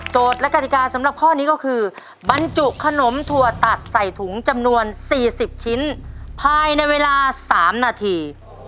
และกติกาสำหรับข้อนี้ก็คือบรรจุขนมถั่วตัดใส่ถุงจำนวน๔๐ชิ้นภายในเวลา๓นาที